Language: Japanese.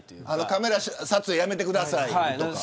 カメラ撮影やめてくださいとか。